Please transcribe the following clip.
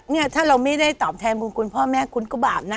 เนี่ยถ้าเราไม่ได้ตอบแทนบุญคุณพ่อแม่คุณก็บาปนะ